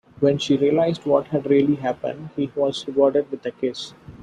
When she realised what had really happened, he was rewarded with a kiss.